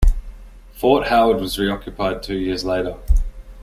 Fort Howard was reoccupied two years later.